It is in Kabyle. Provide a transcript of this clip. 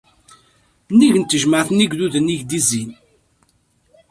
Nnig n tejmaɛt n yigduden i ak-d-izzin.